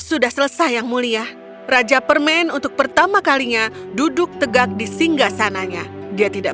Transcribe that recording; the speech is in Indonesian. sudah selesai yang mulia raja permen untuk pertama kalinya duduk tegak di singgah sananya dia tidak